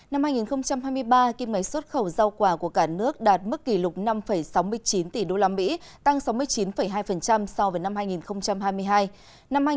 năm hai nghìn hai mươi ba kim máy xuất khẩu rau quả của cả nước đạt mức kỷ lục năm sáu mươi chín tỷ usd tăng sáu mươi chín hai so với năm hai nghìn hai mươi hai